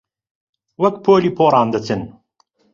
وەک پۆلی پۆڕان دەچن